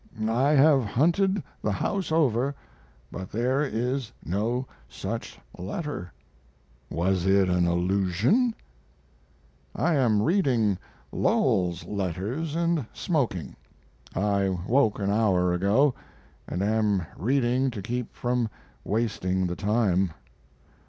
I have hunted the house over, but there is no such letter. Was it an illusion? I am reading Lowell's letters & smoking. I woke an hour ago & am reading to keep from wasting the time.